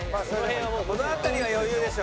この辺りは余裕でしょ。